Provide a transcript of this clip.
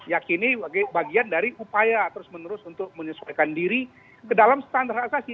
yakini bagian dari upaya terus menerus untuk menyesuaikan diri ke dalam standar asasi